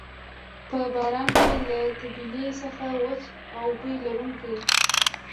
په باران کې له طبیلې څخه وچ او بوی لرونکی.